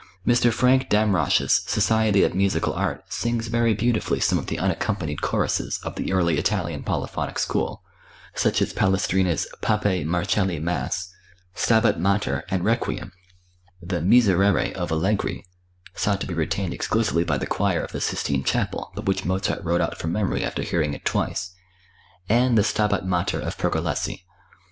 Mr. Frank Damrosch's Society of Musical Art sings very beautifully some of the unaccompanied choruses of the early Italian polyphonic school, such as Palestrina's "Papae Marcelli Mass," "Stabat Mater" and "Requiem"; the "Miserere" of Allegri (sought to be retained exclusively by the choir of the Sistine Chapel, but which Mozart wrote out from memory after hearing it twice); and the "Stabat Mater" of Pergolesi.